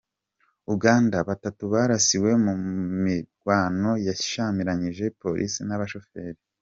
Uganda: Batatu barasiwe mu mirwano yashyamiranyije polisi n’ abashoferi .